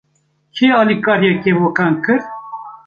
Kê alîkariya kevokan kir?